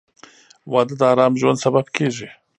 • واده د ارام ژوند سبب کېږي.